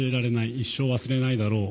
一生忘れないだろう